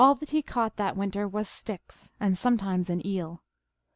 843 that he caught that winter was sticks, and sometimes an eel.